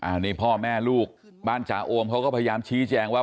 อันนี้พ่อแม่ลูกบ้านจ๋าโอมเขาก็พยายามชี้แจงว่า